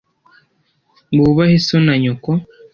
wubahe so na nyoko